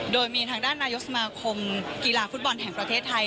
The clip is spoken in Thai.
โดยมีทางด้านนายกสมาคมกีฬาฟุตบอลแห่งประเทศไทย